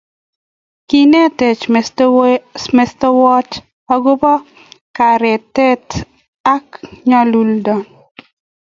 Kinetech mestowot akobo kereten ako nyalunot